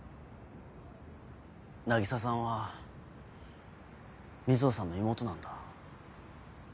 凪沙さんは水帆さんの妹なんだ。